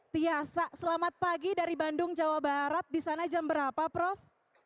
tiasa selamat pagi dari bandung jawa barat di sana jam berapa prof